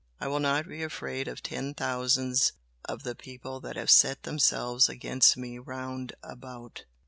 I will not be afraid of ten thousands of the people that have set themselves against me round about."